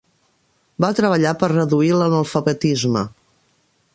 Va treballar per reduir l'analfabetisme.